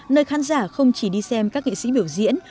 nơi khán giả không chỉ đi xem các nghệ sĩ biểu diễn